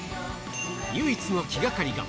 唯一の気がかりが。